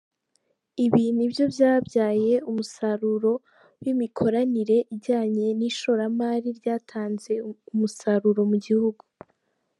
Ibi nibyo byabyaye umusaruro w’imikoranire ijyanye n’ishoramari ryatanze umusaruro mu gihugu.